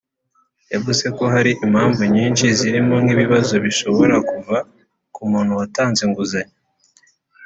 yavuze ko hari impamvu nyinshi zirimo nk’ibibazo bishobora kuva ku muntu watanze inguzanyo